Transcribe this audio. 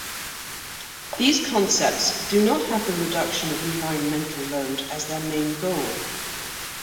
These concepts do not have the reduction of environmental load as their main goal.